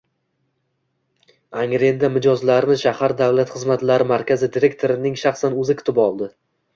Angrenda mijozlarni shahar Davlat xizmatlari markazi direktorining shaxsan oʻzi kutib olmoqda.